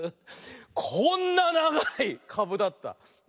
こんなながいかぶだった。ね。